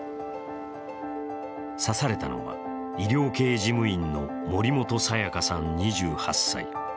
刺されたのは医療系事務員の森本彩加さん２８歳。